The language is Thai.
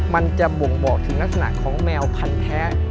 มันจะบ่งบอกถึงลักษณะของแมวพันธแท้